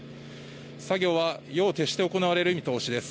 作業は夜を徹して行われる見通しです。